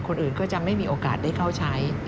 คนอื่นก็จะไม่มีโอกาสได้เข้าใช้